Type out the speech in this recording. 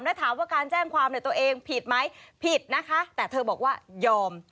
แล้วถามว่าการแจ้งความในตัวเองผิดไหมผิดนะคะแต่เธอบอกว่ายอม